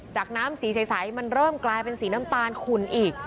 น้ำสีใสมันเริ่มกลายเป็นสีน้ำตาลขุ่นอีก